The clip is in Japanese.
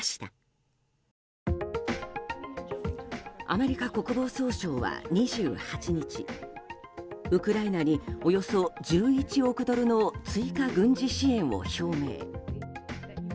アメリカ国防総省は２８日ウクライナにおよそ１１億ドルの追加軍事支援を表明。